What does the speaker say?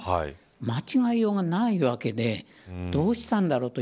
間違いようがないわけでどうしたんだろうと。